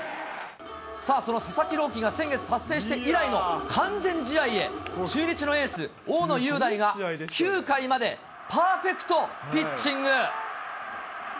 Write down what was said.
さあ、その佐々木朗希が先月達成して以来の完全試合へ、中日のエース、大野雄大が、９回までパーフェクトピッチング。